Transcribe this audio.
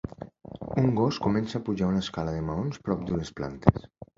Un gos comença a pujar una escala de maons prop d'unes plantes.